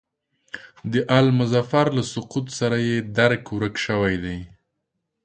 د آل مظفر له سقوط سره یې درک ورک شوی دی.